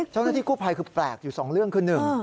เจ้าหน้าที่กู้ภัยคือแปลกอยู่๒เรื่องคือ